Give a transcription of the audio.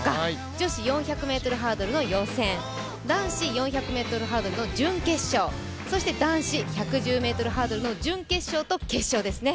女子４００ｍハードルの予選、男子４００ｍハードルの準決勝、そして男子１１０ｍハードルの準決勝と決勝ですね。